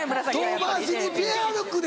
遠回しにペアルックで。